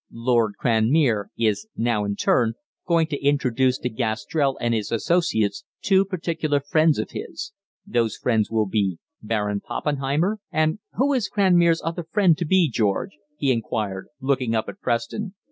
'Lord Cranmere' is now, in turn, going to introduce to Gastrell and his associates two particular friends of his. Those friends will be 'Baron Poppenheimer' and who is Cranmere's other friend to be, George?" he inquired, looking up at Preston.